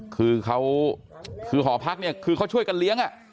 คือเขาคือหอพักเนี่ยคือเขาช่วยกันเลี้ยง